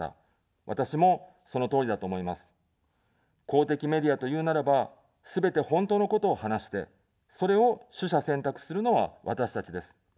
公的メディアというならば、すべて本当のことを話して、それを取捨選択するのは私たちです。